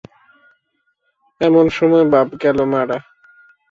এমন সময় বাপ গেল মারা।